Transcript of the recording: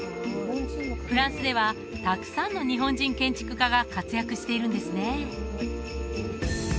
フランスではたくさんの日本人建築家が活躍しているんですね